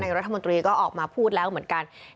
รัฐมนตรีก็ออกมาพูดแล้วเหมือนกัน